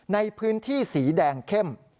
ในพื้นที่สีแดงเข้ม